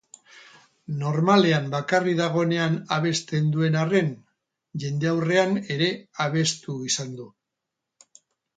Normalean bakarrik dagoenean abesten duen arren, jendaurrean ere abestu izan du.